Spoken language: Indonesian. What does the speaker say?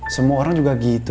semua orang juga gitu